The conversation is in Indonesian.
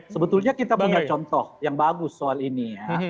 sebetulnya kita punya contoh yang bagus soal ini ya